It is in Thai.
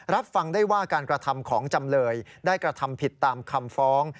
รับฟังได้ว่าการกระทำของจำเลยได้กระทำผิดตามคำฟ้อง